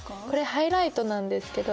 ハイライトなんです。